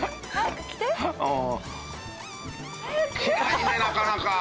着ないねなかなか。